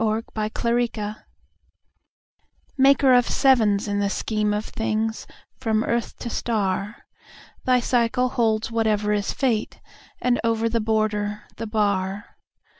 The Wife Woman MAKER OF SEVENS in the scheme of thingsFrom earth to star; Thy cycle holds whatever is fate, andOver the border the bar.